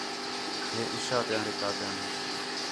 ہِے عِشاء تیاں رکعتیان